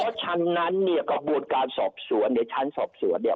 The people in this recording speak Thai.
เพราะฉะนั้นเนี่ยกระบวนการสอบสวนในชั้นสอบสวนเนี่ย